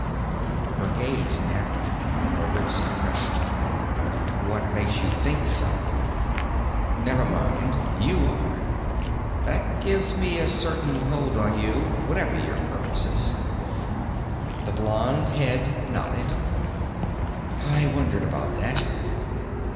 Her gaze narrowed, her lips compressed. "What makes you think so?" "Never mind you are. That gives me a certain hold on you, whatever your purposes." The blond head nodded. "I wondered about that.